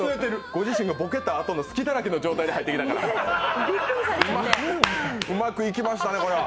ご自身がボケたあとの隙だらけの状態で入りましたからうまくいきましたね、これは。